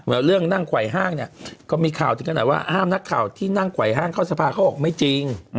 แล้วเรื่องนั่งไขว่ห้างเนี่ยก็มีข่าวถึงขนาดว่าห้ามนักข่าวที่นั่งไขว่ห้างเข้าสภาเขาบอกไม่จริง